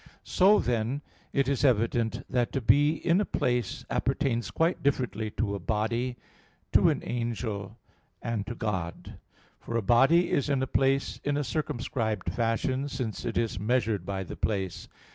So, then, it is evident that to be in a place appertains quite differently to a body, to an angel, and to God. For a body is in a place in a circumscribed fashion, since it is measured by the place.